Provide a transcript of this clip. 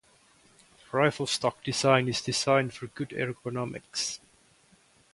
The rifle stock design is designed for good ergonomics.